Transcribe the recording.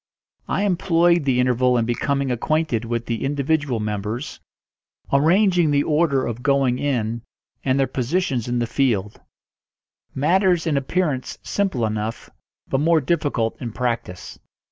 I employed the interval in becoming acquainted with the individual members, arranging the order of going in, and their positions in the field; matters in appearance simple enough, but more difficult in practice.